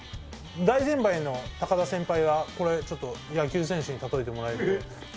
大先輩の高田先輩はこれちょっと野球選手に例えてもらえると。